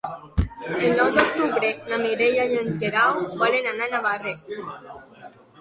El nou d'octubre na Mireia i en Guerau volen anar a Navarrés.